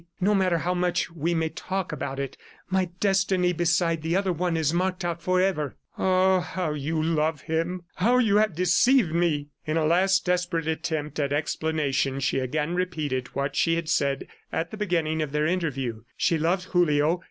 No matter how much we may talk about it, my destiny beside the other one is marked out forever." "Ah, how you love him! ... How you have deceived me!" In a last desperate attempt at explanation she again repeated what she had said at the beginning of their interview. She loved Julio